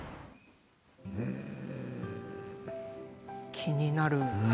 気になる。